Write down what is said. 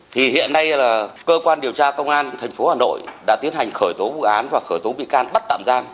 thì hiện nay là cơ quan điều tra công an thành phố hà nội đã tiến hành khởi tố vụ án và khởi tố bị can bắt tạm giam